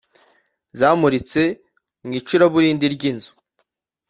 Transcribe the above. zamuritse mu icuraburindi ryinzu.